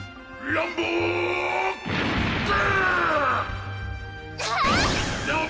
ランボーグ！